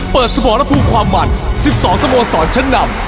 เปิดสมองและภูมิความหมั่น๑๒สโมสรชั้นนำ